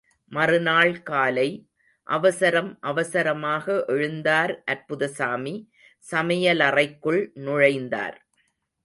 மறுநாள் காலை, அவசரம் அவசரமாக எழுந்தார் அற்புதசாமி, சமையலறைக்குள் நுழைந்தார்.